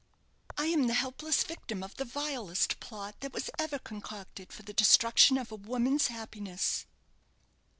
I am the helpless victim of the vilest plot that was ever concocted for the destruction of a woman's happiness."